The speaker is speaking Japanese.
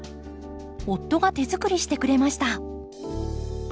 夫が手づくりしてくれました。